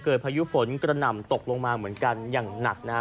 พายุฝนกระหน่ำตกลงมาเหมือนกันอย่างหนักนะฮะ